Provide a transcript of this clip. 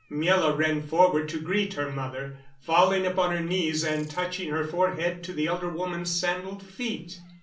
Miela ran forward to greet her mother, falling upon her knees and touching her forehead to the elder woman's sandaled feet.